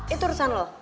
itu urusan lo